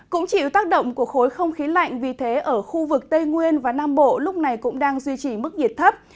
cũng chịu tác động của khối không khí lạnh vì thế ở khu vực tây nguyên và nam bộ lúc này cũng đang duy trì mức nhiệt thấp